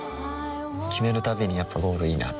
決めるたびにやっぱゴールいいなってふん